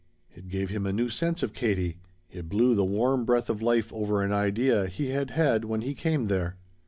It gave him a new sense of Katie. It blew the warm breath of life over an idea he had had when he came there.